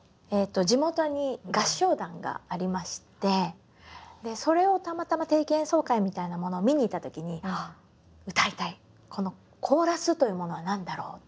地元に合唱団がありましてそれをたまたま定期演奏会みたいなものを見に行ったときにこのコーラスというものは何だろうと。